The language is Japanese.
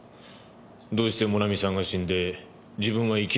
どうしてもなみさんが死んで自分は生き残ったのかって。